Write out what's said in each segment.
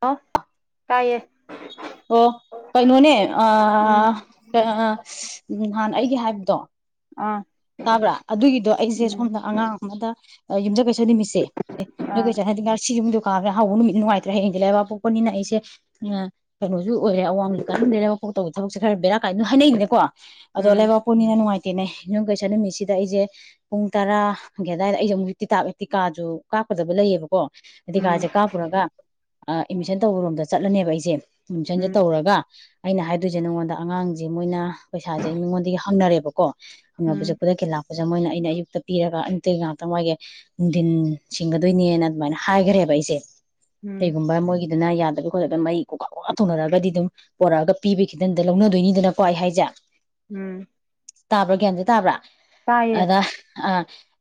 ꯑ ꯀꯥꯏꯌꯦ ꯑꯣ ꯀꯩꯅꯣꯅꯦ ꯎꯝ ꯑꯥ ꯑꯥ ꯅꯍꯥꯟ ꯑꯩ ꯗꯤ ꯍꯥꯏꯕꯗꯣ ꯑꯥ ꯇꯥꯕ꯭ꯔꯥ ꯑꯗꯨꯒꯤꯗꯣ ꯑꯩꯁꯦ ꯎꯝ ꯁꯣꯝꯗ ꯑꯉꯥꯡ ꯑꯃꯗ ꯑ ꯌꯨꯝꯁꯀꯩꯁꯥ ꯅꯨꯃꯤꯁꯦ ꯑꯦ ꯑꯥ ꯌꯨꯝꯁꯀꯩꯁꯥ ꯍꯥꯏꯗꯤ ꯉꯁꯤ ꯌꯨꯝ ꯀꯥꯡ ꯍꯥꯎꯕ ꯅꯨꯃꯤꯠ ꯅꯨꯡꯉꯥꯏꯇ꯭ꯔꯦ ꯍꯌꯦꯡꯗꯤ ꯂꯩꯕꯥꯛ ꯄꯣꯛꯄꯅꯤꯅ ꯑꯩꯁꯦ ꯀꯩꯅꯣꯁꯨ ꯑꯣꯏꯔꯦ ꯑꯋꯥꯡꯕ ꯀꯥꯟꯅꯗꯦ ꯂꯩꯕꯥꯛꯄꯣꯛꯄ ꯇꯧꯕ ꯊꯕꯛꯁꯦ ꯈꯔ ꯕꯦꯔꯥ ꯀꯥꯏꯗꯅ ꯍꯥꯏꯅꯩꯗꯅꯀꯣ ꯑꯗꯣ ꯎꯝ ꯂꯩꯕꯥꯛꯄꯣꯛꯄꯅꯤꯅ ꯅꯨꯡ ꯇꯦꯅꯦ ꯅꯪ ꯀꯩꯁꯨ ꯁ ꯅꯨꯃꯤꯠꯁꯤꯗ ꯑꯩꯁꯦ ꯄꯨꯡ ꯇꯔꯥꯒꯤ ꯑꯗꯨꯋꯥꯏꯗ ꯑꯩꯁꯦ ꯑꯃꯨꯛ ꯇꯤꯇꯥ ꯇꯤꯀꯥꯗꯣ ꯀꯥꯞꯀꯗꯕ ꯂꯩꯌꯦꯕꯀꯣ ꯇꯤ ꯎꯝ ꯀꯥꯖꯦ ꯀꯥ ꯄꯨꯔꯒ ꯑ ꯑꯦꯠꯃꯤꯁꯟ ꯇꯧꯕꯔꯣꯝꯗ ꯆꯠꯂꯅꯦꯕ ꯑꯩꯁꯦ ꯑꯦꯠꯃꯤꯁꯟꯁꯦ ꯎꯝ ꯇꯧꯔꯒ ꯑꯩꯅ ꯍꯥꯏꯗꯣꯏꯁꯦ ꯅꯉꯣꯟꯗ ꯑꯉꯥꯡꯁꯦ ꯃꯣꯏꯅ ꯄꯩꯁꯥꯁꯦ ꯑꯩ ꯃꯤꯉꯣꯟꯗꯒꯤ ꯍꯪꯅꯔꯦꯕꯀꯣ ꯎꯝ ꯂꯥꯛꯄꯁꯤꯗ ꯃꯣꯏꯅ ꯑꯩꯅ ꯑꯌꯨꯛꯇ ꯄꯤꯔꯒ ꯑꯌꯨꯛꯇꯒꯤ ꯉꯥꯛꯇꯪ ꯋꯥꯏꯒꯦ ꯅꯨꯡꯗꯤꯟ ꯁꯤꯡꯒꯗꯣꯏꯅꯦꯅ ꯑꯗꯨꯃꯥꯏꯅ ꯍꯥꯏꯒꯔꯦꯕ ꯑꯩꯁꯦ ꯎꯝ ꯀꯩꯒꯨꯝꯕ ꯃꯣꯏꯒꯤ ꯑꯗꯨꯅ ꯌꯥꯗꯕ ꯑꯣꯔꯔꯒ ꯃꯩ ꯀꯣꯛꯀꯥ ꯀꯣꯛꯀꯥ ꯊꯧꯅꯔꯒꯗꯤ ꯑꯗꯨꯝ ꯄꯣꯔꯛꯑꯒ ꯄꯤꯕ ꯈꯤꯇꯟꯗ ꯂꯧꯅꯗꯣꯏꯅꯤꯗꯅꯀꯣ ꯑꯩ ꯍꯥꯏꯁꯦ ꯎꯝ ꯇꯥꯕ꯭ꯔꯥ ꯒ꯭ꯌꯥꯟꯗꯤ ꯇꯥꯕ꯭ꯔꯥ ꯇꯥꯏꯌꯦ ꯑꯗ ꯑ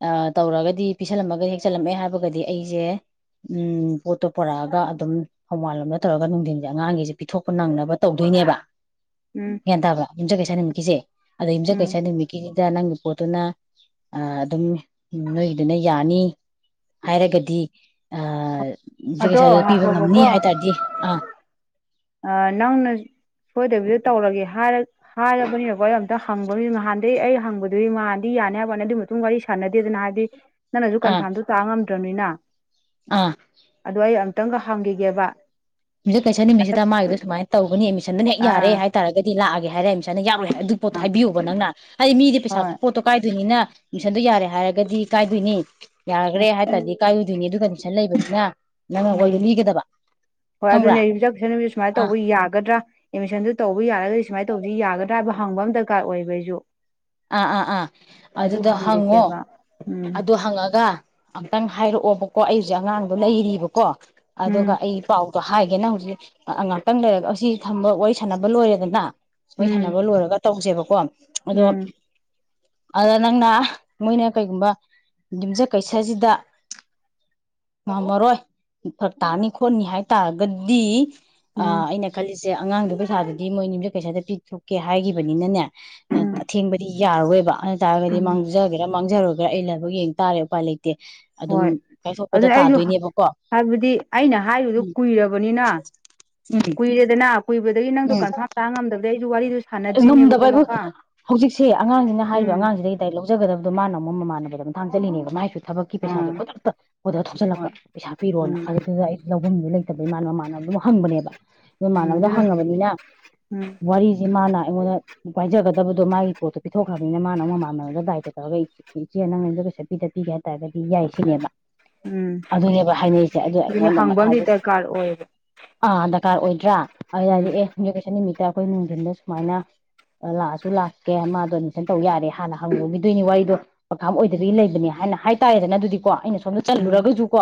ꯑ ꯇꯧꯔꯒꯗꯤ ꯄꯤꯁꯜꯂꯝꯃꯒꯗꯤ ꯍꯦꯛ ꯆꯜꯂꯝꯃꯦ ꯍꯥꯏꯔꯒꯗꯤ ꯑꯩꯁꯦ ꯎꯝ ꯄꯣꯠꯇꯣ ꯄꯨꯣꯔꯛꯑꯒ ꯑꯗꯨꯝ ꯍꯧꯃꯥꯟꯂꯣꯝꯗ ꯇꯧꯔꯒ ꯅꯨꯡꯗꯤꯟꯁꯦ ꯑꯉꯥꯡꯒꯤꯁꯦ ꯄꯤꯊꯣꯛꯄ ꯅꯪꯅꯕ ꯇꯧꯗꯣꯏꯅꯦꯕ ꯎꯝ ꯒ꯭ꯌꯥꯟ ꯇꯥꯕ꯭ꯔꯥ ꯌꯨꯝꯖ ꯀꯩꯁꯥ ꯅꯨꯃꯤꯠꯀꯤꯁꯦ ꯑꯗꯩ ꯌꯨꯝꯖ ꯎꯝ ꯀꯩꯁ ꯅꯨꯃꯤꯠꯀꯤꯁꯤꯗ ꯅꯪ ꯄꯣꯠꯇꯨꯅ ꯑ ꯑꯗꯨꯝ ꯅꯣꯏꯒꯤꯗꯨꯅ ꯌꯥꯅꯤ ꯍꯥꯏꯔꯒꯗꯤ ꯑꯥ ꯌꯨꯝꯖ ꯑꯗꯣ ꯀꯩꯁꯗ ꯄꯤꯕ ꯉꯝꯅꯤ ꯍꯥꯏ ꯇꯥꯔꯗꯤ ꯑꯥ ꯑ ꯅꯪꯅ ꯁꯣꯏꯗꯕꯤꯗ ꯇꯧꯔꯒꯦ ꯍꯥꯏꯔ ꯍꯥꯏꯔꯕꯅꯤꯅꯀꯣ ꯑꯩ ꯑꯝꯇ ꯍꯪꯕ ꯃꯗꯤ ꯅꯍꯥꯟꯗꯩ ꯑꯩ ꯍꯪꯕꯗꯨꯗꯤ ꯃꯉꯥꯟꯗꯤ ꯌꯥꯅꯤ ꯍꯥꯏꯕ꯭ꯋꯥꯅꯤ ꯑꯗꯨꯒꯤ ꯃꯇꯨꯡ ꯒꯥꯔꯤ ꯁꯥꯟꯅꯗꯦꯗꯅ ꯍꯥꯏꯕꯗꯤ ꯅꯪꯅꯁꯨ ꯑꯥ ꯀꯟꯐꯥꯝꯗꯨ ꯇꯥ ꯉꯝ ꯇ ꯅꯤꯅ ꯑꯥ ꯈꯤꯇꯪꯒ ꯍꯥꯡꯒꯤꯒꯦꯕ ꯌꯨꯝꯖꯀꯩꯁ ꯅꯨꯃꯤꯠꯁꯤꯗ ꯃꯥꯒꯤꯗꯣ ꯁꯨꯃꯥꯏꯅ ꯇꯧꯒꯅꯤꯃꯤ ꯁꯟ ꯗꯨꯅ ꯍꯦꯛ ꯌꯥꯔꯦ ꯑꯥ ꯍꯥꯏꯇꯥꯔꯒꯗꯤ ꯂꯥꯛꯑꯒꯦ ꯍꯥꯏꯔꯦ ꯀꯩꯅ ꯌꯥꯔꯣꯏ ꯍꯥꯏ ꯑꯗꯨ ꯄꯣꯠꯇꯣ ꯑꯥ ꯍꯥꯏꯕꯤꯌꯣꯕ ꯅꯪꯅ ꯍꯥꯏꯗꯤ ꯃꯤꯗꯤ ꯄꯩꯁꯥ ꯍꯣꯏ ꯄꯣꯠꯇꯣ ꯀꯥꯏꯗꯣꯏꯅꯤꯅ ꯃꯤꯁꯟꯗꯣ ꯌꯥꯔꯦ ꯍꯥꯏꯔꯒꯗꯤ ꯀꯥꯏꯗꯣꯏꯅꯤ ꯎꯝ ꯌꯥꯒ꯭ꯔꯦ ꯍꯥꯏ ꯇꯥꯗꯤ ꯀꯥꯏꯔꯣꯏꯗꯨꯏꯅꯦ ꯑꯗꯨꯒ ꯀꯟꯗꯤꯁꯟ ꯂꯩꯕꯅꯤꯅ ꯅꯪꯅ ꯎꯝ ꯋꯥꯔꯤꯗꯣ ꯂꯤꯒꯗꯕ ꯍꯣꯏ ꯈꯪꯕ꯭ꯔꯥ ꯑꯗꯨꯅꯦ ꯌꯨꯝꯖꯀꯩꯁ ꯅꯨꯃꯤꯠꯁꯦ ꯁꯨꯃꯥꯏꯅ ꯑꯥ ꯇꯧꯕ ꯌꯥꯒꯗ꯭ꯔꯥ ꯑꯦꯗꯃꯤꯁꯟꯗꯨ ꯇꯧꯕ ꯌꯥꯔꯒꯗꯤ ꯁꯨꯃꯥꯏ ꯇꯧꯁꯤ ꯌꯥꯒꯗ꯭ꯔꯥ ꯍꯥꯏꯕꯗꯨ ꯍꯪꯕ ꯑꯃ ꯗꯔꯀꯥꯔ ꯑꯣꯏꯕ ꯑꯩꯁꯨ ꯑꯥ ꯑꯥ ꯑꯥ ꯑꯗꯨ ꯑꯗꯨꯗꯣ ꯍꯪꯉꯣ ꯍꯪꯈꯤꯒꯦꯕ ꯎꯝ ꯑꯗꯨ ꯍꯪꯉꯒ ꯑꯝꯛꯇꯪ ꯍꯥꯏꯔꯛꯑꯣꯕ ꯀꯣ ꯑꯩ ꯍꯧꯖꯤꯦ ꯑꯉꯥꯡꯗꯣ ꯂꯩꯔꯤꯕꯀꯣ ꯑꯗꯨꯒ ꯎꯝ ꯑꯩ ꯄꯥꯎ ꯗꯣꯍꯥꯏꯒꯦ ꯅꯪ ꯍꯧꯖꯤꯛ ꯉꯥꯛꯇꯪ ꯂꯩꯔꯒ ꯑꯁꯤ ꯊꯝꯕ ꯋꯥꯔꯤ ꯁꯥꯟꯅꯕ ꯂꯣꯏꯔꯦꯗꯅ ꯃꯣꯏ ꯎꯝ ꯁꯥꯟꯅꯕ ꯂꯣꯏꯔꯒ ꯇꯧꯁꯦꯕꯀꯣ ꯑꯗꯣ ꯎꯝ ꯑꯗ ꯅꯪꯅ ꯃꯣꯏꯅ ꯀꯩꯒꯨꯝꯕ ꯌꯨꯝꯁꯥꯀꯩꯁꯥꯁꯤꯗ ꯉꯝꯃꯔꯣꯏ ꯐꯔꯛ ꯇꯥꯅꯤ ꯈꯣꯠꯅꯤ ꯍꯥꯏ ꯇꯥꯔꯒꯗꯤ ꯑꯥ ꯎꯝ ꯑꯩꯅ ꯈꯜꯂꯤꯁ ꯁꯦ ꯑꯉꯥꯡꯗꯨ ꯄꯩꯁꯥꯗꯨꯗꯤ ꯃꯣꯏ ꯌꯨꯝꯁꯥꯀꯩꯁꯥꯗ ꯄꯤꯊꯣꯛꯀꯦ ꯍꯥꯏꯈꯤꯕꯅꯤꯅꯅꯦ ꯑꯥ ꯎꯝ ꯊꯦꯡꯕ ꯗꯤ ꯌꯥꯔꯔꯣꯏꯕ ꯑꯗꯨ ꯇꯥꯔꯒꯗꯤ ꯎꯝ ꯃꯥꯡꯖꯒꯦꯔꯥ ꯃꯥꯡꯖꯔꯣꯏꯒꯦꯔꯥ ꯑꯩ ꯂꯥꯏꯕꯛ ꯌꯦꯡ ꯇꯥꯔꯦ ꯎꯄꯥꯏ ꯂꯩ ꯍꯣꯏ ꯑꯗꯨ ꯑꯩꯁꯨ ꯇꯥꯗꯣꯏꯅꯦꯕꯀꯣ ꯍꯥꯏꯕꯗꯤ ꯑꯩꯅ ꯍꯥꯏꯔꯤꯕꯗꯨ ꯎꯝ ꯀꯨꯏꯔꯕꯅꯤꯅ ꯎꯝ ꯀꯨꯏꯔꯦꯗꯅ ꯀꯨꯏꯕ ꯑꯗꯩꯗꯤ ꯅꯪꯗꯣ ꯎꯝ ꯀꯟꯐꯥꯔ꯭ꯝ ꯇꯥ ꯉꯝꯗꯕꯗꯩ ꯑꯩꯁꯨ ꯋꯥꯔꯤꯗꯨ ꯑꯁ ꯉꯝꯗꯕ ꯁꯥꯟꯅꯗ꯭ꯔꯤꯅꯦꯕꯀꯣ ꯍꯥꯏꯕꯨ ꯃꯈꯥ ꯍꯧꯖꯤꯛꯁꯦ ꯑꯉꯥꯡꯁꯤꯅ ꯍꯥꯏꯔꯤꯕ ꯎꯝ ꯑꯉꯥꯡꯁꯤꯗꯒꯤꯗꯥꯏ ꯂꯧꯖꯒꯗꯕꯗꯣ ꯃꯥꯅ ꯑꯃꯨꯛ ꯃꯃꯥꯟꯅꯕꯗ ꯃꯥꯊꯥꯡ ꯑꯗꯨꯢꯅꯦꯕ ꯃꯥꯢꯁꯨ ꯊꯕꯛꯀꯤ ꯄꯩꯁꯥꯁꯦ ꯑꯥ ꯈꯨꯗꯛꯇ ꯑꯣꯗ꯭ꯔ ꯊꯣꯒꯜꯂꯛꯄ ꯍꯣꯏ ꯄꯩꯁꯥ ꯄꯤꯔꯣꯅ ꯎꯝ ꯑꯗꯨꯗꯨꯗ ꯑꯩꯖꯨ ꯑꯍꯨꯝꯗꯣ ꯂꯩꯇꯕꯩ ꯃꯅꯥ ꯃꯃꯥꯟꯅꯕꯗ ꯑꯃꯨꯛ ꯍꯪꯕꯅꯦꯕ ꯎꯝ ꯃꯃꯥꯟꯅꯕꯅ ꯑꯗꯨꯅ ꯍꯪꯉꯥꯕꯅꯤꯅ ꯎꯝ ꯋꯥꯔꯤ ꯁꯤ ꯃꯥꯅ ꯑꯩꯉꯣꯟꯗ ꯄꯥꯏꯖꯒꯗꯕꯗꯣ ꯃꯥꯒꯤ ꯄꯣꯠꯇꯣ ꯄꯤꯊꯣꯛꯈ꯭ꯔꯕꯅꯤꯅ ꯃꯅꯥ ꯑꯃꯨꯛ ꯃꯥꯟꯅꯔ ꯗꯥꯏꯇ ꯇꯧꯔꯒ ꯏꯆꯦ ꯅꯪ ꯌꯨꯝꯁꯥꯀꯩꯁꯥ ꯄꯤꯗ ꯄꯤꯒꯦ ꯍꯥꯏꯇꯥꯥꯔꯒꯗꯤ ꯌꯥꯏ ꯁꯤꯅꯦꯕ ꯎꯝ ꯑꯗꯨꯅꯦꯕ ꯍꯥꯏꯅꯔꯤꯁꯦ ꯑꯗꯨ ꯑꯗꯨꯅ ꯑꯩꯉꯣꯟꯗ ꯍꯪꯕ ꯑꯃꯗꯤ ꯃꯊꯥꯁꯦ ꯗꯔꯀꯥꯔ ꯑꯣꯏꯌꯦꯕ ꯑꯥꯗ ꯀꯥꯔ ꯑꯣꯏꯗ꯭ꯔꯥ ꯑꯩꯅ ꯍꯥꯢꯁꯦ ꯎꯝ ꯑꯦ ꯌꯨꯝꯁꯥꯀꯩꯁꯥ ꯅꯨꯃꯤꯠ ꯍꯥꯢ ꯀꯣꯏ ꯅꯨꯡꯗꯤꯜꯗꯁ ꯁꯨꯃꯥꯏꯅ ꯂꯥꯛꯑꯁꯨ ꯂꯥꯛꯀꯦ ꯃꯥ ꯗꯣꯅꯦꯁꯟ ꯇꯧ ꯌꯥꯔꯦ ꯍꯥꯟꯅ ꯍꯪꯉꯨꯈꯤꯗꯣꯏꯅꯤ ꯋꯥꯔꯤꯗꯣ ꯀꯟꯄꯥ꯭ꯔꯝ ꯎꯝ ꯑꯣꯏꯗꯕꯒꯤ ꯂꯩꯕꯅꯦ ꯍꯥꯏꯅ ꯍꯥꯏ ꯇꯥꯏꯌꯦꯗꯅ ꯑꯗꯨꯗꯤꯀꯣ ꯑꯩꯅꯁꯨ ꯁꯣꯝꯗ ꯎꯝ ꯆꯠꯂꯨꯔꯒꯁꯨ ꯀꯣ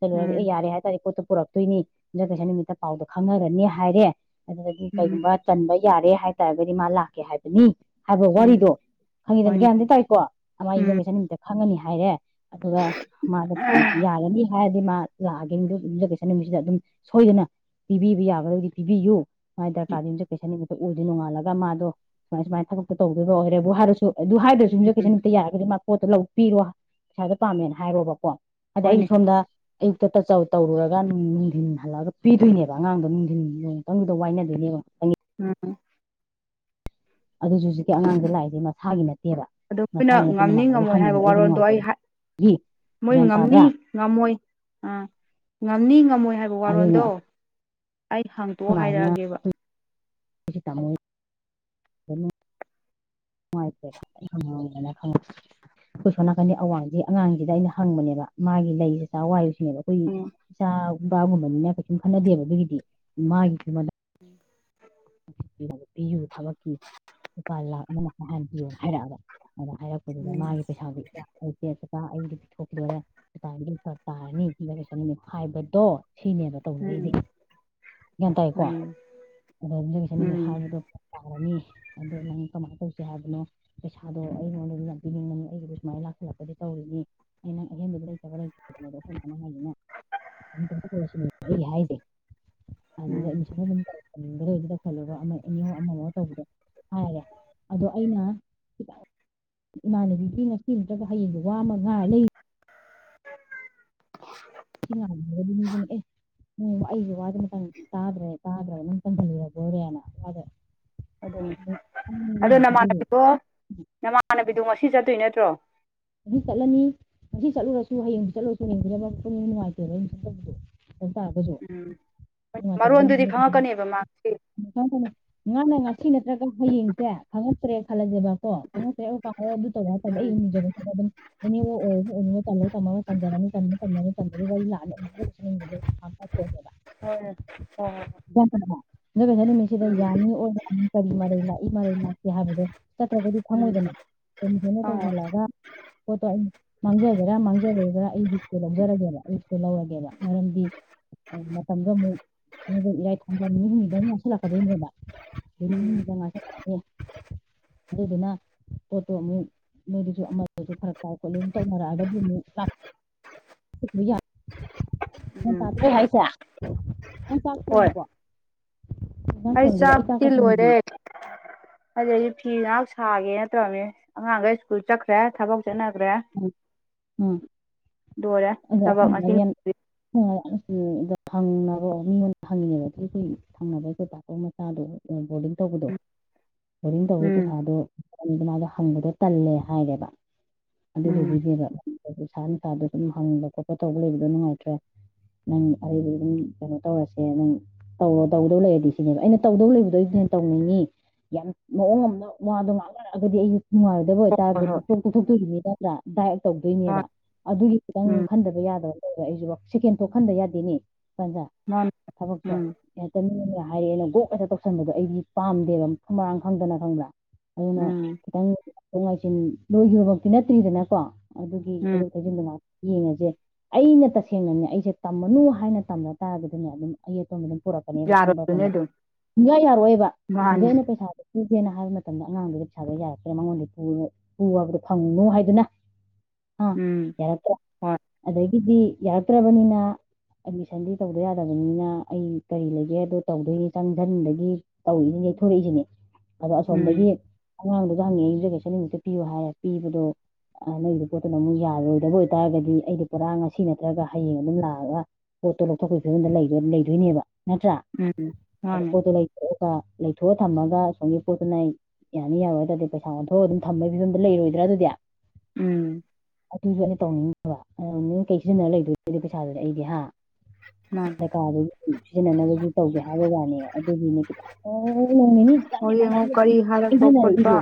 ꯆꯠꯂꯨꯔꯒ ꯎꯝ ꯑꯦ ꯌꯥꯔꯦ ꯍꯥꯏꯇꯥꯥꯔꯗꯤ ꯄꯣꯠꯇꯣ ꯄꯨꯔꯛꯇꯣꯏꯅꯤ ꯌꯨꯝꯁꯥꯀꯩꯁꯥ ꯅꯨꯃꯤꯠꯇ ꯄꯥꯎꯗꯣ ꯈꯪꯅꯔꯅꯤ ꯍꯥꯏꯔꯦ ꯑꯗꯨꯗꯤ ꯎꯝ ꯀꯩꯒꯨꯝꯕ ꯇꯟꯕꯩ ꯌꯥꯔꯦ ꯍꯥꯏꯇꯥꯔꯒꯗꯤ ꯃꯥ ꯂꯥꯛꯀꯦ ꯍꯥꯏꯕꯅꯤ ꯍꯥꯏꯕ ꯎꯝ ꯋꯥꯔꯤꯗꯣ ꯈꯪꯉꯤꯗꯅ ꯍꯣꯏꯅꯦ ꯒ꯭ꯌꯥꯟꯗꯤ ꯇꯥꯏꯀꯣ ꯑꯃꯥ ꯎꯝ ꯌꯨꯝꯁꯥꯀꯩꯁꯥ ꯅꯨꯃꯤꯠꯇ ꯈꯪꯉꯅꯤ ꯍꯥꯏ ꯍꯥꯏꯔꯦ ꯑꯗꯨꯒ ꯃꯥꯗꯣ ꯌꯥꯔꯅꯤ ꯍꯥꯏ ꯗꯨꯗꯤ ꯃꯥ ꯂꯥꯛꯑꯒꯦ ꯌꯨꯝꯁꯥ ꯌꯨꯝꯁꯥꯀꯩꯁꯥ ꯅꯨꯃꯤꯠꯁꯤꯗ ꯑꯗꯨꯝ ꯁꯣꯏꯗꯅ ꯄꯤꯕꯤꯕ ꯌꯥꯒꯗꯣꯢꯗꯤ ꯄꯤꯕꯤꯌꯨ ꯃꯥꯏ ꯗ꯭ꯔꯀꯥ ꯌꯨꯝꯖꯥꯀꯩꯁꯥ ꯅꯨꯃꯤꯠ ꯎꯗꯤ ꯅꯣꯡꯉꯥꯜꯂꯒ ꯃꯥꯗꯣ ꯁꯨꯃꯥꯏ ꯁꯨꯃꯥꯏ ꯊꯕꯛꯇꯣ ꯇꯧꯗꯣꯏꯕꯣ ꯑꯣꯏꯔꯦꯕꯨ ꯍꯥꯏꯔꯁꯨ ꯑꯗꯨ ꯍꯥꯏꯗ꯭ꯔꯁꯨ ꯌꯨꯃꯖꯥꯀꯩꯁꯥ ꯎꯝ ꯅꯨꯃꯤꯠꯇ ꯌꯥꯔꯒꯗꯤ ꯃꯥ ꯄꯣꯠꯇꯣ ꯂꯧ ꯄꯤꯔꯣ ꯄꯩꯁꯥꯗꯣ ꯄꯥꯝꯃꯦꯅ ꯍꯥꯏꯔꯣꯕꯀꯣ ꯑꯗ ꯑꯩ ꯍꯣꯏꯅꯦ ꯁꯣꯝꯗ ꯑꯌꯨꯛꯇ ꯇꯆꯥꯎ ꯇꯧꯔꯨꯔꯒ ꯅꯨꯡꯊꯤꯟ ꯍꯜꯂꯛꯑꯒ ꯄꯤꯗꯣꯏꯅꯦꯕ ꯑꯉꯥꯡꯗꯣ ꯅꯨꯡꯊꯤꯟ ꯅꯣꯡꯇꯡꯗꯨꯗꯥ ꯋꯥꯏꯅꯗꯣꯏꯅꯦꯕ ꯎꯝ ꯑꯗꯨꯁꯨ ꯍꯧꯖꯤꯛꯀꯤ ꯑꯉꯥꯡꯁꯦ ꯂꯥꯛꯏꯁꯦ ꯃꯁꯥꯒꯤ ꯅꯠꯇꯦꯕ ꯑꯗꯨ ꯃꯣꯏꯅ ꯃꯁꯥꯒꯤ ꯅꯠꯇꯦ ꯉꯝꯅꯤ ꯃꯃꯥꯟꯅꯕꯒꯤ ꯉꯝꯃꯣꯏ ꯍꯪꯉꯤꯅꯦ ꯍꯥꯏꯕ ꯑꯩꯒꯤ ꯋꯥꯔꯣꯜꯗꯣ ꯑꯩ ꯅꯨꯡꯉꯥꯏꯇꯕꯗꯒꯤ ꯃꯣꯏ ꯒ꯭ꯌꯥꯟ ꯉꯝꯅꯤ ꯇꯥꯕ꯭ꯔꯥ ꯉꯝꯃꯣꯏ ꯑꯥ ꯉꯝꯅꯤ ꯉꯝꯃꯣꯏ ꯍꯥꯏꯕ ꯑꯗꯨꯅ ꯋꯥꯔꯣꯜꯗꯣ ꯑꯩ ꯑꯩꯈꯣꯏ ꯍꯪꯇꯣꯛꯑ ꯃꯥꯅ ꯍꯥꯏꯔꯛꯑꯒꯦꯕ [unintelligible] ꯅꯨꯡꯉꯥꯏꯇ꯭ꯔꯦꯕ ꯑꯩꯪꯉꯝꯅ ꯈꯪꯕ ꯑꯩꯈꯣꯏ ꯁꯣꯝ ꯅꯥꯀꯟꯗꯩ ꯑꯋꯥꯡꯁꯤ ꯑꯉꯥꯡꯁꯤꯗ ꯑꯩꯅ ꯍꯪꯕꯅꯦꯕ ꯃꯥꯒꯤ ꯂꯩꯁꯤ ꯆꯋꯥꯏ ꯑꯈꯣꯏꯒꯤ ꯎꯝ ꯏꯆꯥ ꯏꯄꯥꯒꯨꯝꯕꯅꯤꯅ ꯀꯩꯁꯨꯨꯝ ꯈꯟꯅꯗꯦꯕ ꯑꯗꯨꯒꯤꯗꯤ ꯃꯥꯒꯤ ꯀꯩꯅꯣꯗ [inaudible] ꯄꯤꯌꯨ ꯊꯕꯛꯀꯤ ꯂꯨꯄꯥ ꯂꯥꯛ ꯑꯃ ꯃꯈꯥꯏ ꯍꯟꯅꯥ ꯄꯤꯌꯨꯅ ꯍꯥꯏꯔꯛꯑꯕ ꯑꯗ ꯍꯥꯏꯔꯛꯄꯗꯨꯗ ꯎꯝ ꯃꯥꯒꯤ ꯄꯩꯁꯥꯗꯤ ꯂꯩꯇꯦ ꯀꯥ ꯑꯩꯗꯣ ꯄꯤꯊꯣꯛꯈꯤꯗꯣꯔꯦ ꯗꯨꯀꯟꯗꯤ ꯐꯔꯛ ꯇꯥꯔꯅꯤ ꯌꯨꯝꯖꯥꯀꯩꯁꯥ ꯅꯨꯃꯤꯠ ꯍꯥꯏꯕꯗꯣ ꯁꯤꯅꯦꯕꯥ ꯇꯧꯅꯔꯤꯁꯦ ꯒ꯭ꯌꯥꯟ ꯇꯥꯏꯌꯦꯀꯣ ꯎꯝ ꯑꯗ ꯌꯨꯝꯖꯥꯀꯩꯁꯥ ꯅꯨꯃꯤꯠ ꯎꯝ ꯍꯥꯏꯕꯗꯣ ꯐꯔꯛ ꯇꯥ ꯐꯔꯅꯤ ꯑꯗꯣ ꯅꯪ ꯀꯃꯥꯏ ꯇꯧꯁꯦ ꯍꯥꯏꯕꯅꯣ ꯄꯩꯁꯥꯗꯣ ꯑꯩꯉꯣꯟꯗꯗꯤ ꯌꯥꯝ ꯄꯤꯅꯤꯡꯕꯅꯤ ꯑꯩꯒꯤꯗꯨ ꯁꯨꯃꯥꯏꯅ ꯂꯥꯛꯁꯟꯂꯛꯄꯗꯩ ꯇꯧꯔꯤꯅꯤ ꯑꯩ ꯅꯪ ꯑꯍꯦꯟꯕꯗ ꯂꯩꯇꯕ ꯂꯩꯇꯕꯅꯦ ꯑꯗꯣ ꯑꯈꯣꯢꯃꯅꯥ ꯍꯥꯏꯁꯤꯅ ꯑꯩ ꯍꯥꯏꯁꯦ ꯑꯗꯨꯗ ꯎꯝ ꯑꯃꯤꯁꯟꯒ ꯑꯗꯨꯝ ꯇꯧꯔꯣ ꯇꯧꯁꯟꯂꯨꯔꯣ ꯑꯃ ꯑꯦꯅꯤꯍꯥꯑꯣ ꯑꯃ ꯑꯃꯃ ꯇꯧꯕꯗꯣ ꯍꯥꯏꯔꯦ ꯑꯗꯣ ꯑꯩꯅ ꯈꯤꯇꯪ ꯏꯃꯥꯟꯅꯕꯤꯒꯤ ꯉꯁꯤ ꯅꯠꯇꯕ ꯍꯌꯦꯡꯗꯣ ꯋꯥ ꯑꯃ ꯉꯥꯏꯔ ꯂꯩ [inaudible] ꯁꯤ ꯉꯗꯒꯗꯤ ꯃꯤꯗꯨꯅꯤ ꯑꯦ ꯑꯩꯒꯤ ꯋꯥꯗꯤ ꯑꯃꯇꯪ ꯇꯥꯗ꯭ꯔꯦ ꯇꯥꯗ꯭ꯔꯕ ꯅꯝ ꯇꯝꯁꯟꯂꯨꯔꯕꯣꯏꯔꯦꯅ ꯑꯗꯨꯅꯦ ꯑꯗꯣ ꯅꯃꯥꯟꯅꯕꯤꯗꯣ ꯅꯃꯥꯟꯅꯕꯤꯗꯣ ꯁꯤ ꯆꯠꯇꯣꯏ ꯅꯠꯇ꯭ꯔꯣ ꯉꯁꯤ ꯆꯠꯂꯅꯤ ꯉꯁꯤ ꯆꯠꯂꯨꯔꯁꯨ ꯍꯌꯦꯡꯕꯨ ꯆꯠꯂꯨꯔꯁꯨ ꯍꯌꯦꯡ ꯆꯠ ꯄꯨꯟꯕꯗꯣ ꯅꯨꯡꯉꯥꯏꯇꯦꯕ ꯑꯗꯨ ꯆꯠꯇꯕꯗꯣ ꯎꯝ ꯃꯔꯣꯟꯗꯨꯗꯤ ꯈꯪꯉꯛꯀꯅꯦꯕ ꯃꯥ ꯉꯁꯤ [unintelligible] ꯊꯤꯅ ꯅꯠꯇ꯭ꯔꯒ ꯍꯌꯦꯡꯁꯦ ꯈꯪꯉꯛꯇ꯭ꯔꯦ ꯈꯜꯂꯥꯁꯦꯕꯥ ꯀꯣ ꯀꯩꯅ [unintelligible] ꯀꯥꯑꯣ ꯑꯗꯨ ꯇꯧꯕꯗꯤ ꯑꯩ ꯎꯝ ꯍꯪꯖꯔꯒꯦ [unintelligible] ꯌꯨꯝꯖꯥꯀꯩꯁꯥ ꯍꯣꯏ ꯍꯣꯏ ꯅꯨꯃꯤꯠ ꯁꯤꯗꯥ ꯍꯣꯏ ꯌꯥꯅꯤ ꯑꯣꯔ ꯌꯥꯅꯤ ꯀꯔꯤ ꯃꯔꯩ ꯂꯥꯛꯏ ꯃꯔꯩ ꯂꯥꯛꯇꯦ ꯌꯥꯕꯗꯣ ꯆꯠꯇ꯭ꯔꯒꯗꯤ ꯎꯝ ꯎꯝ ꯈꯪꯉꯣꯏꯗꯅ [unintelligible] ꯈꯪꯉꯣ ꯇꯧꯁꯜꯂꯛꯑꯒ ꯄꯣꯠꯇꯣ ꯑꯩ ꯃꯥꯡꯖꯒꯦꯔꯥ ꯃꯥꯡꯖꯔꯣꯏꯒꯦꯔꯥ ꯑꯩ ꯂꯤꯁꯇꯨ ꯂꯧꯖꯔꯒꯦꯕ ꯑꯩ ꯂꯧꯔꯒꯦꯕ ꯃꯔꯝꯗꯤ ꯃꯇꯝꯒ ꯑꯃꯨꯛ ꯊꯪꯗ ꯏꯔꯥꯏ ꯊꯪꯗ ꯃꯤ ꯍꯨꯝ ꯃꯤꯗ ꯑꯃꯨꯛꯁꯤꯜꯂꯛꯀꯗꯣꯏꯅꯦꯕ ꯎꯝ [unintelligible] ꯑꯗꯨꯗꯨꯅ ꯄꯣꯠꯇꯣ ꯑꯃꯨꯛ ꯅꯣꯏꯗꯨꯁꯨ ꯑꯃ ꯑꯩꯖꯨ ꯐꯔꯛ ꯇꯥꯢ ꯈꯣꯠꯂꯤꯅ ꯇꯧꯅꯔꯛꯑꯒꯗꯤ ꯑꯃꯨꯛ [unintelligible] [unintelligible] [inaudible] ꯎꯝ ꯅꯪ ꯆꯥꯛ ꯍꯣꯏ ꯊꯣꯡꯉꯥꯕꯣ ꯑꯩ ꯆꯥꯛꯇꯤ ꯂꯣꯏꯔꯦ ꯑꯗꯨꯗꯒꯤ ꯐꯤ ꯉꯥꯛ ꯁꯥꯒꯦꯅ ꯇꯧꯔꯝꯃꯤꯅꯦ ꯑꯉꯥꯡꯒꯩ ꯁ꯭ꯀꯨꯜ ꯆꯠꯈ꯭ꯔꯦ ꯊꯕꯛ ꯆꯠꯅꯒ꯭ꯔꯦ ꯑꯗ ꯑꯈꯣꯢ ꯃꯥꯅ ꯌꯦꯟ [unintelligible] ꯐꯪꯅꯕ ꯃꯤꯉꯣꯟꯗ ꯍꯪꯉꯦꯕ ꯑ ꯑꯩꯈꯣꯏ ꯊꯪꯅꯕ ꯑꯩꯈꯣꯏ ꯄꯥꯛꯄ ꯃꯆꯥꯗꯣ ꯕꯣꯔꯗꯤꯡ ꯇꯧꯕꯗꯣ ꯕꯣꯔꯗꯤꯡ ꯇꯧꯕꯩ ꯎꯝ ꯄꯩꯁꯥꯗꯣ ꯀꯜꯄꯅꯥꯗꯣ ꯍꯪꯕꯗꯣ ꯇꯜꯂꯦ ꯍꯥꯏꯔꯦꯕ ꯎꯝ ꯑꯗꯨꯗꯨꯒꯤꯅꯦꯕ ꯁꯥꯥ ꯅꯨꯡꯁꯥꯗꯣ ꯑꯗꯨꯝ ꯍꯪꯕ ꯈꯣꯠꯄ ꯇꯧꯔ ꯂꯩꯕꯗꯣ ꯅꯨꯡꯉꯥꯏꯇ꯭ꯔꯦ ꯅꯪ ꯑꯩꯗꯨꯗꯤ ꯀꯩꯅꯣ ꯇꯧꯔꯁꯦ ꯅꯪ ꯇꯧꯔꯣ ꯇꯧꯗꯧ ꯂꯩꯔꯗꯤ ꯁꯤꯅꯦꯕ ꯑꯩꯅ ꯇꯧꯗꯧ ꯂꯩꯕꯗꯣ ꯇꯧꯅꯤꯡꯉꯤ ꯌꯥꯝ ꯃꯑꯣꯡ ꯑꯃꯗ ꯋꯥꯗꯣ ꯉꯥꯡꯅꯔꯛꯑꯒꯗꯤ ꯑꯩ ꯅꯨꯡꯉꯥꯏꯔꯣꯢꯗꯕ ꯍꯣꯏ ꯑꯣꯏꯇꯥꯔꯗꯤ ꯍꯣꯏ ꯊꯣꯛ ꯇꯣꯛꯊꯣꯛꯇꯣꯏꯅꯤꯕ ꯄ꯭ꯂꯥꯟ ꯀꯥꯢ ꯍꯣꯏ ꯇꯧꯗꯣꯏꯅꯦꯕ ꯑꯗꯨꯒꯤ ꯈꯤꯇꯪ ꯎꯝ ꯈꯟꯗꯕ ꯌꯥ ꯔ ꯑꯩꯖꯨ ꯁꯦꯀꯦꯟ ꯊꯣꯠ ꯈꯟꯗ ꯌꯥꯗꯦꯅꯦ ꯃꯥꯅꯤ [unintelligible] ꯊꯕꯛꯁꯦ ꯎꯝ [unintelligible] ꯍꯥꯏꯔꯦ ꯑꯩꯅ ꯒꯣꯛ ꯈꯦꯛꯇ ꯇꯧꯁꯟꯕꯗꯣ ꯑꯩꯗꯤ ꯄꯥꯝꯗꯦꯕ ꯃꯐꯝ ꯃꯔꯥꯡ ꯈꯪꯗꯅ ꯈꯪꯕ꯭ꯔꯥ ꯑꯗꯨꯅ ꯎꯝ ꯈꯤꯇꯪ ꯉꯥꯏꯁꯤꯟ ꯂꯣꯏꯒꯤꯕꯃꯛꯇꯤ ꯅꯠꯇ꯭ꯔꯤꯗꯅꯀꯣ ꯑꯗꯨꯒꯤ ꯎꯝ ꯊꯩꯗꯣꯛ ꯊꯩꯖꯤꯟꯗꯨꯉꯥꯢ ꯌꯦꯡꯉꯖꯦ ꯑꯩꯅ ꯇꯁꯦꯡꯅꯅꯦ ꯑꯩꯖꯦ ꯇꯝꯃꯅꯨ ꯍꯥꯏꯅ ꯇꯝꯗ ꯇꯥꯔꯒꯗꯤꯅꯦ ꯑꯗꯨꯝ ꯑꯌꯦꯠꯄ ꯑꯗꯨꯝ ꯄꯨꯔꯛꯀꯅꯦꯕ ꯌꯥꯔꯣꯏꯗꯣꯏꯅꯦ ꯈꯪꯕ꯭ꯔꯥꯗꯨꯅ ꯑꯗꯨꯝ ꯁꯨꯡꯌꯥ ꯌꯥꯔꯛꯑꯣꯢꯕ ꯍꯧꯖꯤꯛ ꯃꯥꯅꯤ ꯑꯩꯅ ꯄꯩꯁꯥꯗꯣ ꯄꯨꯒꯦꯅ ꯍꯥꯏꯕ ꯃꯇꯝꯗ ꯑꯉꯥꯡꯗꯨꯒ ꯄꯩꯁꯥꯗꯣ ꯌꯥꯔꯛꯇ꯭ꯔꯦ ꯃꯉꯣꯟꯗꯩ ꯄꯨ ꯄꯨꯕꯗꯣ ꯐꯪꯉꯨꯅꯨ ꯍꯥꯏꯗꯅ ꯑ ꯎꯝ ꯌꯥꯔꯛꯇ꯭ꯔꯦ ꯍꯣꯏ ꯑꯗꯨꯗꯤ ꯌꯥꯔꯛꯇ꯭ꯔꯕꯅꯤꯅ ꯑꯦꯠꯃꯤꯁꯟꯗꯤ ꯇꯧꯗ ꯌꯥꯗꯕꯅꯤꯅ ꯑꯩ ꯀꯔꯤ ꯂꯩꯒꯦ ꯗꯣ ꯇꯧꯗꯣꯏꯅꯤ ꯆꯪꯖꯟꯗꯒꯤ ꯇꯧꯉꯤꯅꯤ ꯌꯩꯊꯣꯔꯛꯏꯖꯤꯅꯤ ꯑꯗꯣ ꯎꯝ ꯑꯁꯣꯝꯗꯒꯤ ꯑꯉꯥꯡꯗꯨꯗ ꯍꯪꯉꯤ ꯌꯨꯝꯖꯀꯩꯁ ꯅꯨꯃꯤꯛꯇ ꯄꯤꯌꯣ ꯍꯥꯏꯌꯦ ꯄꯤꯕꯗꯣ ꯅꯣꯏꯒꯤ ꯄꯣꯠꯇꯨꯅ ꯑꯃꯨꯛ ꯌꯥꯔꯣꯏꯗꯕ ꯑꯣꯏ ꯑꯣꯏꯇꯥꯔꯒꯗꯤ ꯑꯩꯗꯤ ꯄꯨꯔꯥ ꯉꯁꯤ ꯅꯠꯇ꯭ꯔꯒ ꯍꯌꯦꯡ ꯑꯗꯨꯝ ꯂꯥꯛꯑꯒ ꯄꯣꯠꯇꯣ ꯂꯧꯊꯣꯛꯄꯒꯤ ꯐꯤꯕꯝꯗ ꯂꯩꯗꯣꯏꯅꯦꯕ ꯅꯠꯇ꯭ꯔꯥ ꯎꯝ ꯃꯥꯅꯤ ꯄꯣꯠꯇꯣ ꯂꯩꯊꯣꯛꯑꯒ ꯂꯩꯊꯣꯛ ꯊꯝꯃꯒ ꯁꯣꯝꯒꯤ ꯄꯣꯠꯇꯨꯅ ꯑꯩ ꯌꯥꯅꯤ ꯌꯥꯔꯣꯏ ꯍꯥꯏꯇꯥꯔꯗꯤ ꯄꯩꯁꯥ ꯑꯣꯟꯊꯣꯛꯑ ꯑꯗꯨꯝ ꯊꯝꯕꯒꯤ ꯐꯤꯕꯝꯗ ꯂꯩꯔꯣꯏꯗ꯭ꯔꯥ ꯑꯗꯨꯗꯤ ꯎꯝ ꯑꯗꯨꯁꯨ ꯇꯧꯅꯤꯡꯗꯦꯕ ꯀꯩ ꯁꯤꯖꯤꯟꯅ ꯂꯩꯗꯣꯏꯕ ꯄꯩꯁꯥꯖꯦ ꯑꯩꯗꯤ ꯍꯥ ꯃꯥꯅꯤ ꯃ ꯀꯥꯗꯒꯤ ꯁꯤꯖꯤꯟꯅꯅꯕꯁꯨ ꯇꯧꯁꯦ ꯍꯥꯏꯕ ꯋꯥꯅꯦ ꯑꯗꯨꯒꯤꯅꯦ ꯈꯤꯇꯡ ꯅꯣꯡ ꯅꯤꯅꯤ ꯆꯤꯇꯪ ꯑꯣ ꯌꯦꯡꯉꯣ ꯃꯌꯥꯝꯅ ꯑꯗꯨ ꯀꯔꯤ ꯍꯥꯏꯔꯛꯄ ꯈꯣꯠꯄ ꯏꯪꯊꯅꯔꯛꯏꯁꯦ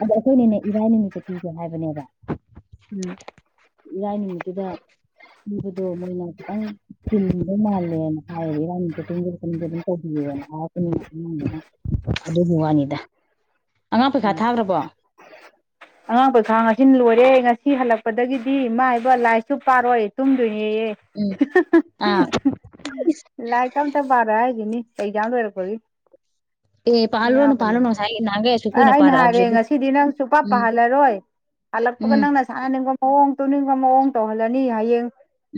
ꯑꯗꯣ ꯑꯩꯈꯣꯏꯅꯤꯅꯦ ꯏꯔꯥꯏ ꯅꯨꯃꯤꯠꯇ ꯄꯤꯒꯦ ꯍꯥꯏꯕꯅꯦꯕ ꯎꯝ ꯏꯔꯥꯏ ꯅꯨꯃꯤꯠꯇꯨꯗ ꯄꯤꯕꯗꯣ ꯃꯣꯏꯅ ꯈꯤꯇꯪ ꯊꯤꯕ ꯃꯥꯜꯂꯦꯅ ꯍꯥꯏꯌꯦꯕ ꯏꯔꯥꯏ ꯅꯨꯃꯤꯠꯇꯨ ꯇꯤꯟꯗꯨꯗꯁꯨ [unintelligible] ꯑꯗꯨꯝ ꯇꯧꯕꯤꯌꯣꯅ ꯍꯥꯏꯔꯛꯄ ꯅꯨꯃꯤꯠꯇꯗꯅ ꯑꯗꯨꯒꯤ ꯋꯥꯅꯤꯗ ꯑꯉꯥꯡ ꯄꯩꯈꯥ ꯎꯝ ꯊꯥꯈ꯭ꯔꯕꯣ ꯑꯉꯥꯡ ꯄꯩꯈꯥ ꯉꯥꯁꯤꯅ ꯂꯣꯏꯔꯦ ꯉꯁꯤ ꯁꯤ ꯍꯜꯂꯛꯄꯗꯒꯤꯗꯤ ꯏꯃꯥ ꯏꯕ ꯂꯥꯏꯁꯨ ꯄꯥꯔꯣꯏ ꯇꯨꯝꯗꯣꯏ ꯅꯦꯌꯦ ꯎꯝ ꯍꯦ ꯍꯦ ꯑꯥ ꯍꯦ ꯏꯁ ꯂꯥꯏꯔꯤꯛꯀ ꯑꯃꯇ ꯄꯥꯔꯣꯏ ꯍꯥꯏꯁꯤꯅꯤ ꯑꯦꯛꯖꯥꯝ ꯂꯣꯏꯔꯛꯄꯒꯤ ꯑꯦ ꯄꯥꯍꯜꯂꯨꯔꯅꯣ ꯌꯥꯕꯅꯦ ꯄꯥꯍꯜꯂꯨꯔꯅꯣ ꯉꯁꯥꯏꯒꯩ ꯅꯍꯥꯟꯒꯩ ꯑꯁꯨꯛ ꯑ ꯀꯨꯏꯅ ꯑꯩꯅ ꯍꯥꯏꯔꯦ ꯄꯥꯔꯛꯑꯕꯁꯤꯕꯨ ꯉꯁꯤꯗꯤ ꯅꯪ ꯁꯨ ꯄꯥ ꯎꯝ ꯄꯥꯍꯜꯂꯔꯣꯏ ꯍꯜꯂꯛꯄꯒ ꯎꯝ ꯅꯪꯅ ꯁꯥꯅꯅꯤꯡꯕ ꯃꯋꯣꯡ ꯃꯑꯣꯡ ꯇꯧꯅꯤꯡꯕ ꯃꯑꯣꯡ ꯇꯧꯍꯜꯂꯅꯤ ꯍꯌꯦꯡ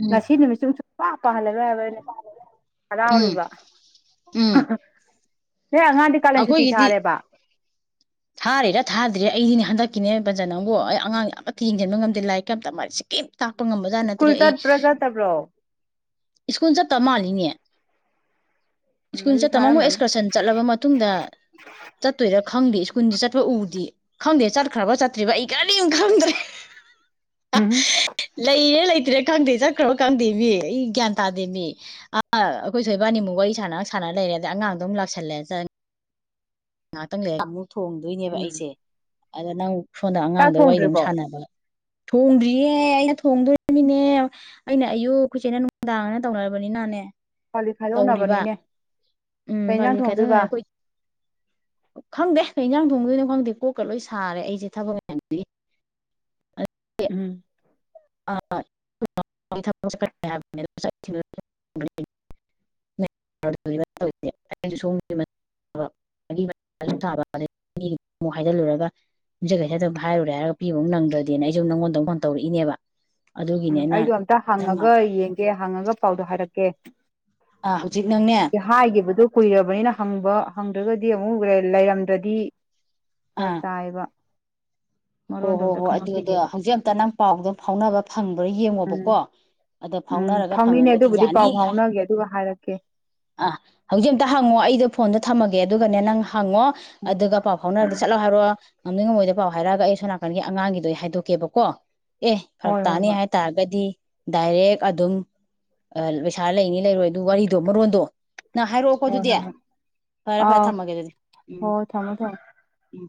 ꯎꯝ ꯉꯁꯤ ꯅꯨꯃꯤꯠ ꯆꯨ ꯄꯥ ꯄꯍꯜ ꯂꯔꯣꯏ ꯍꯥꯏꯕ ꯑꯩꯅ ꯎꯝ ꯍꯔꯥꯎꯔꯤꯕ ꯎꯝ ꯅꯣꯏ ꯑꯉꯥꯡꯗꯤ ꯀꯥꯂꯦꯟ ꯁꯨꯇꯤ ꯑꯩꯈꯣꯏꯒꯤꯗꯤ ꯊꯥꯔꯦꯕ ꯊꯥꯔꯤꯔꯥ ꯊꯥꯗ꯭ꯔꯦ ꯑꯩꯗꯤꯅꯦ ꯍꯟꯗꯛꯀꯤꯅꯦ ꯕꯟꯆ ꯅꯪꯕꯨ ꯑꯩ ꯑꯉꯥꯡ ꯑꯃꯠꯇ ꯌꯦꯡꯁꯤꯟꯕ ꯉꯝꯗꯦ ꯂꯥꯏꯔꯤꯛꯀ ꯑꯝꯇ ꯃ ꯁꯤꯀꯤ ꯁ꯭ꯀꯨꯜ ꯆꯠꯄ꯭ꯔꯥ ꯆꯠꯇꯕ꯭ꯔꯣ ꯏꯁ꯭ꯀꯨꯣꯥꯜ ꯆꯠꯇ ꯃꯥꯂꯤꯅꯦ ꯎꯝ ꯁ꯭ꯀꯨꯜ ꯑꯗꯨꯗꯤ ꯆꯠꯇ ꯃꯣꯏ ꯊꯥꯔꯝꯃꯅꯤ ꯑꯦꯛꯁꯀꯔꯁꯟ ꯆꯠꯂꯕ ꯃꯇꯨꯡꯗ ꯆꯠꯇꯣꯏꯔ ꯈꯪꯗꯦ ꯏꯩꯁꯨ ꯁ꯭ꯀꯨꯟꯁꯨ ꯆꯠꯄ ꯎꯗꯦ ꯈꯪꯗꯦ ꯆꯠꯈ꯭ꯔꯕ꯭ꯔ ꯆꯠꯇ꯭ꯔꯤꯕ ꯑꯩ ꯀꯔꯤꯝ ꯈꯪꯗ꯭ꯔꯦ ꯍꯥ ꯎꯝ ꯂꯩꯔꯤꯔ ꯂꯩ ꯆꯠꯇ꯭ꯔꯤꯔ ꯈꯪꯗꯦ ꯆꯠꯈ꯭ꯔꯕ ꯈꯪꯗꯦ ꯃꯤ ꯑꯩ ꯒ꯭ꯌꯥꯟ ꯇꯥꯗꯦꯕꯤ ꯑꯥ ꯑꯩꯈꯣꯏ ꯊꯣꯏ ꯏꯕꯥꯅꯤꯃꯨꯛ ꯋꯥꯔꯤ ꯁꯥꯟꯅ ꯁꯥꯟꯅ ꯂꯩꯔꯦ ꯑꯗꯩ ꯑꯉꯥꯡꯗꯣ ꯑꯃꯨꯛ ꯂꯥꯛꯁꯜꯂꯦ ꯆꯠꯅꯤ ꯉꯥꯇꯪ ꯂꯩꯔ ꯊꯣꯡꯗꯣꯏꯅꯦꯕ ꯎꯝ ꯑꯩꯁꯦ ꯑꯗ ꯅꯪ ꯁꯣꯟꯗ ꯆꯥꯛ ꯑꯉꯥꯡꯗꯨꯒ ꯋꯥꯔꯤꯗꯨꯃꯨꯛ ꯊꯣꯡꯗ꯭ꯔꯤꯕꯣ ꯁꯥꯟꯅꯕ ꯊꯣꯡꯗ꯭ꯔꯤꯌꯦ ꯑꯩꯅ ꯊꯣꯡꯗꯣꯏꯅꯤꯅꯦ ꯑꯩꯅ ꯑꯌꯨꯛ ꯈꯧꯏ ꯆꯦꯅ ꯅꯨꯡꯗꯥꯡ ꯍꯥꯏꯅ ꯇꯧꯅꯔꯕꯅꯤꯅꯅꯦ ꯀꯣꯜꯂꯤꯛ ꯇꯧꯔꯤꯕ ꯈꯥꯏꯗꯣꯛꯅꯕꯅꯤꯅꯦ ꯎꯝ ꯀꯩ ꯄꯥꯂꯤ ꯏꯟꯖꯥꯡ ꯈꯥꯏꯗꯣꯛꯅꯩ ꯊꯣꯡꯗꯣꯏꯕ ꯑꯩꯈꯣꯏ ꯈꯪꯗꯦ ꯀꯩ ꯌꯦꯟꯖꯥꯡ ꯊꯣꯡꯗꯣꯏꯅꯣ ꯈꯪꯗꯦ ꯀꯣꯛꯀ ꯂꯣꯏ ꯁꯥꯔꯦ ꯑꯩꯁꯦ ꯊꯕꯛ ꯃꯌꯥꯝꯖꯤꯒꯤ ꯎꯝ ꯑ [unintelligible] ꯍꯥꯏꯖꯤꯜꯂꯨꯔꯒ ꯌꯨꯝꯖꯀꯩꯁꯗ ꯃꯨꯛ ꯍꯥꯏꯔꯨꯔꯦ ꯍꯥꯏꯔꯒ ꯄꯤꯕꯃꯨꯛ ꯅꯪꯗ꯭ꯔꯗꯤꯅ ꯑꯩꯁꯨ ꯅꯉꯣꯟꯗ ꯑꯃꯨꯛ ꯐꯣꯟ ꯇꯧꯔꯛꯏꯅꯦꯕ ꯑꯗꯨꯒꯤꯅꯦ ꯎꯝ ꯑꯩꯅ ꯑꯩꯗꯣ ꯑꯝꯇ ꯅꯪ ꯍꯪꯉꯒ ꯌꯦꯡꯒꯦ ꯍꯪꯉꯒ ꯄꯥꯎꯗꯣ ꯍꯥꯏꯔꯛ ꯀꯦ ꯑꯥ ꯍꯧꯖꯤꯛ ꯅꯪꯅꯦ ꯍꯥꯏꯒꯤꯕꯗꯣ ꯀꯨꯏꯔꯕꯅꯤꯅ ꯍꯪꯕ ꯍꯪꯗ꯭ꯔꯒꯗꯤ ꯑꯃꯨꯛ ꯂꯩꯔꯝꯗ꯭ꯔꯗꯤ ꯐꯔꯛ ꯑꯥ ꯇꯥꯏꯕ ꯍꯣ ꯍꯣ ꯍꯣ ꯑꯗꯨꯗꯣ ꯍꯧꯖꯤꯛ ꯑꯝꯇ ꯅꯪ ꯄꯥꯎꯗꯣ ꯐꯥꯎꯅꯕ ꯐꯪ ꯇꯧꯔ ꯎꯝ ꯌꯦꯡꯉꯣꯕꯀꯣ ꯑꯗ ꯎꯝ ꯐꯥꯎꯅꯔꯒ ꯐꯥꯎꯅꯤꯅꯦ ꯐꯪꯉꯒꯗꯤ ꯑꯗꯨꯕꯨꯗꯤ ꯄꯥꯎ ꯌꯥꯅꯤ ꯍ ꯐꯥꯎꯅꯒꯦ ꯑꯗꯨꯒ ꯍꯥꯏꯔꯛꯀꯦ ꯑ ꯍꯧꯖꯤꯛ ꯑꯝꯇ ꯍꯪꯉꯣ ꯑꯩꯗꯣ ꯐꯣꯟ ꯑꯗ ꯊꯃꯒꯦ ꯑꯗꯨꯒꯅꯦ ꯅꯪ ꯍꯪꯉꯣ ꯑꯗꯨꯒ ꯄꯥꯎ ꯐꯥꯎꯅꯔꯗꯤ ꯁꯠꯂꯥꯑ ꯍꯥꯏꯔꯛꯑꯣ ꯃꯥꯡꯅꯤꯡꯉꯃꯣꯏꯗ ꯄꯥꯎ ꯍꯥꯏꯔꯛꯒ ꯑꯩ ꯁꯣꯝ ꯅꯥꯀꯟꯒꯤ ꯑꯉꯥꯡꯒꯤꯗꯣ ꯑꯩ ꯍꯥꯏꯗꯣꯛꯀꯦꯕꯀꯣ ꯑꯦ ꯐꯔꯛ ꯍꯣꯏ ꯍꯣꯏ ꯇꯥꯅꯤ ꯍꯣꯏ ꯍꯥꯏꯇꯥꯔꯒꯗꯤ ꯗꯥꯏꯔꯦꯛ ꯑꯗꯨꯝ ꯑ ꯄꯩꯁꯥ ꯂꯩꯅꯤ ꯂꯩꯔꯣꯏ ꯑꯗꯨ ꯋꯥꯔꯤꯗꯣ ꯃꯔꯣꯟꯗꯣ ꯅꯪ ꯍꯥꯏꯔꯛꯑꯣꯀꯣ ꯍꯣꯏ ꯑꯗꯨꯗꯤ ꯍꯣꯏ ꯍꯣꯏ ꯐꯔꯦ ꯐꯔꯦ ꯑꯥꯎ ꯊꯝꯃꯒꯦ ꯑꯗꯨꯗꯤ ꯎꯝ ꯍꯣꯏ ꯊꯝꯃꯣ ꯊꯝꯃꯣ ꯎꯝ